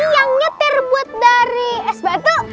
yangnya terbuat dari es batu